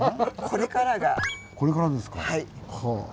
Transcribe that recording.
これからですか。